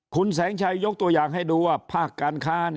คุณแสงชัยยกตัวอย่างให้ดูว่าภาคการค้า